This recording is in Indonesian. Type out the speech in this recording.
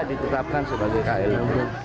ditetapkan sebagai klb